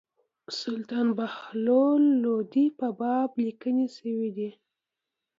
سلطان بهلول لودي په باب لیکني شوي دي.